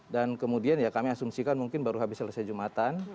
dan kemudian ya kami asumsikan mungkin baru habis selesai jumatan